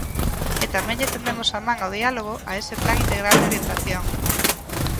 E tamén lle tendemos a man ao diálogo a ese plan integral de orientación.